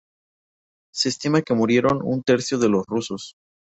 Se estima que murieron un tercio de los rusos.